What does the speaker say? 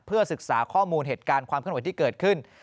เพื่อศึกษาข้อมูลเหตุการณ์ความขนวดที่เกิดขึ้น